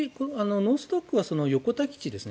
ノース・ドックは横田基地ですね。